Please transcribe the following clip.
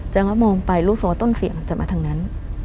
แสดงว่ามองไปรู้สึกว่าต้นเสียงจะมาทางนั้น